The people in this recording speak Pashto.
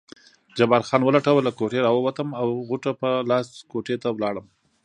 جبار خان ولټوه، له کوټې راووتم او غوټه په لاس کوټې ته ولاړم.